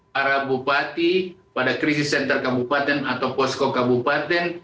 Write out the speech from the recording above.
para bupati pada krisis center kabupaten atau posko kabupaten